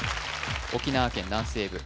沖縄県南西部